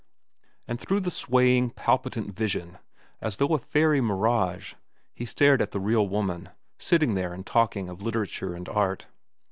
And through the swaying, palpitant vision, as through a fairy mirage, he stared at the real woman, sitting there and talking of literature and art.